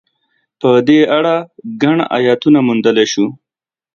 په دې اړه ګڼ ایتونه موندلای شو.